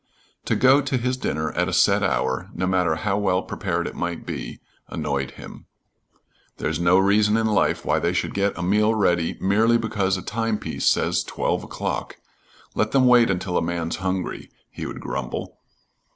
To go to his dinner at a set hour, no matter how well prepared it might be, annoyed him. "There's no reason in life why they should get a meal ready merely because a timepiece says twelve o'clock. Let them wait until a man's hungry," he would grumble.